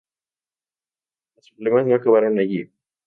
Pero los problemas no acabaron allí.